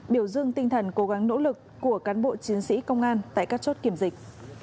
biểu dương tinh thần cố gắng nỗ lực của cán bộ chiến sĩ công an tại các chốt kiểm dịch